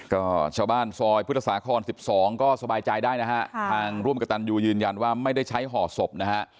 ก็ชาวบ้านซอยพุทธศาคร๑๒ก็สบายใจได้นะฮะทางร่วมกับตันยูยืนยันว่าไม่ได้ใช้ห่อศพนะฮะ